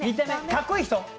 かっこいい人？